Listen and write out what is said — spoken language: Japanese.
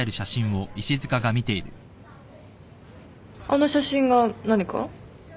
あの写真が何か？